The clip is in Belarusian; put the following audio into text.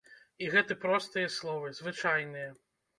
І гэты простыя словы, звычайныя.